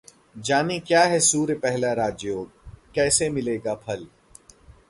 जानें, क्या है सूर्य पहला राजयोग, कैसे मिलेगा फल?